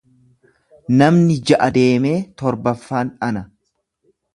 Namni ja'a deemee torbaffaan ana.